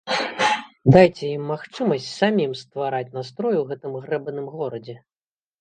Дайце ім магчымасць самім ствараць настрой у гэтым грэбаным горадзе.